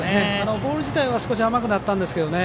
ボール自体は甘くなったんですがね